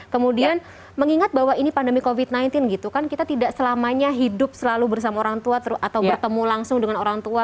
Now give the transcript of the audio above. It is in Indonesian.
kemudian mengingat bahwa ini pandemi covid sembilan belas gitu kan kita tidak selamanya hidup selalu bersama orang tua atau bertemu langsung dengan orang tua